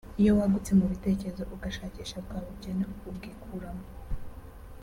iyo wagutse mu bitekerezo ugashakisha bwa bukene ubwikuramo